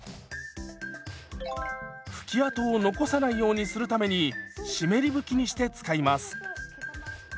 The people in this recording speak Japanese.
拭き跡を残さないようにするために湿り拭きにして使います。